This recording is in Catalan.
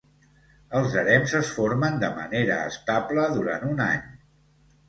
Els harems es formen de manera estable durant un any.